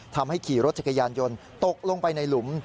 ทำให้ขี่รถจักรยานยนต์ตกลงไปในหลุม